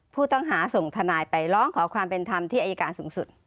ผู้ต้องหาส่งทนายไปร้องขอความเป็นธรรมที่อายการสูงสุด